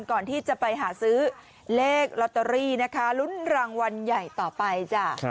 ก่อนที่จะไปหาซื้อเลขลอตเตอรี่นะคะลุ้นรางวัลใหญ่ต่อไปจ้ะ